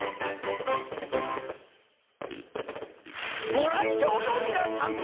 ごらいじょうのみなさん